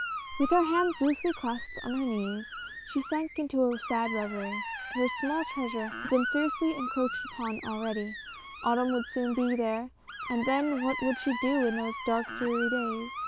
With her hands loosely clasped on her knees, she sank into a sad reverie. Her small treasure had been seriously encroached upon already; autumn would soon be there, and then what would she do in those dark, dreary days.